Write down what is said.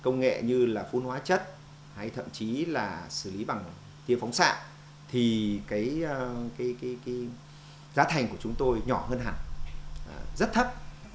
công nghệ như là phun hóa chất hay thậm chí là xử lý bằng tiêu phóng xạ thì cái giá thành của chúng tôi nhỏ hơn hẳn rất thấp